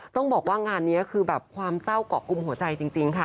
ต้องบอกว่างานนี้คือแบบความเศร้าเกาะกลุ่มหัวใจจริงค่ะ